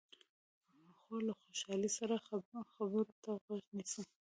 خور له خوشحالۍ سره خبرو ته غوږ نیسي.